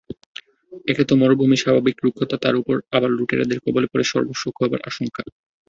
একে তো মরুভূমির স্বাভাবিক রুক্ষতা তার উপর আবার লুটেরাদের কবলে পড়ে সর্বস্ব খোয়াবার আশঙ্কা।